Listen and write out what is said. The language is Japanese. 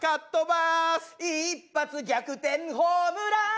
「一発逆転ホームラン！」